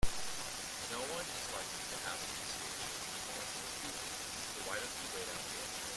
Noone is likely to hassle me too seriously in a bar full of people, so why don't you wait out here?